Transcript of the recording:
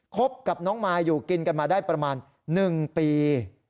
คบกับน้องมายอยู่กินกันมาได้ประมาณ๑ปี